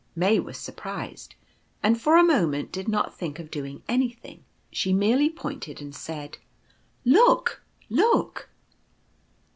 May was surprised, and, for a moment, did not think of doing anything; she merely pointed, and said :" Look, look